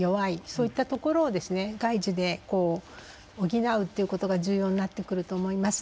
そういったところを外需で補うということが重要になってくると思います。